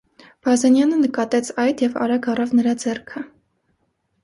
Բազենյանը նկատեց այդ և արագ առավ նրա ձեռքը: